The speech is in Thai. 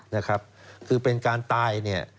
นะครับคือเป็นการตายเนี่ย